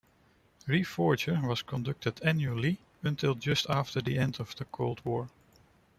Reforger was conducted annually until just after the end of the Cold War.